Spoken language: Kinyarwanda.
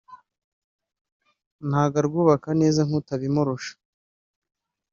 ntago arwubaka neza nk’utabimurusha